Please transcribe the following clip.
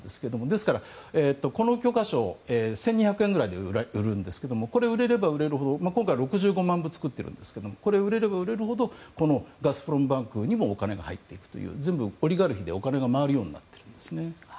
ですから、この教科書は１２００円くらいで売られてるんですが今回６５万部作ってるんですけど売れれば売れるほどこのガスプロム・バンクにもお金が入っていくというオリガルヒにお金が回るようになっていますね。